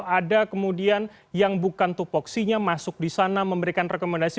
ada kemudian yang bukan tupoksinya masuk di sana memberikan rekomendasi